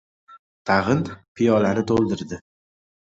Tag‘in piyolani to‘ldirdi.